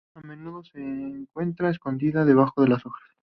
A menudo se encuentra escondida debajo de las hojas.